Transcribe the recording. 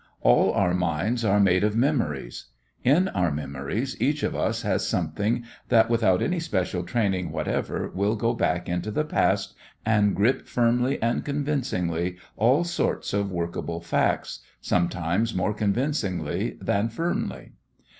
All our minds are made of memories. In our memories each of us has something that without any special training whatever will go back into the past and grip firmly and convincingly all sorts of workable facts, sometimes more convincingly than firmly.